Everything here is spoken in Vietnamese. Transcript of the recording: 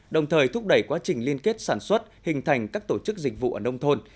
đồng thời thúc đẩy quá trình liên kết sản xuất hình thành các tổ chức dịch vụ ở nông thôn